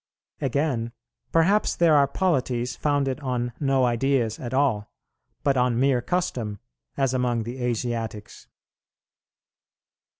Again, perhaps there are polities founded on no ideas at all, but on mere custom, as among the Asiatics.